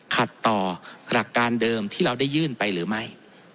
ขัดต่อหลักการเดิมที่เราได้ยื่นไปหรือไม่